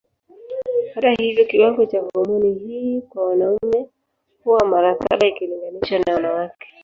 Hata hivyo kiwango cha homoni hii kwa wanaume huwa mara saba ikilinganishwa na wanawake.